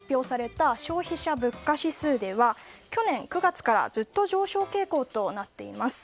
先週２４日に発表された消費者物価指数では去年９月からずっと上昇傾向となっています。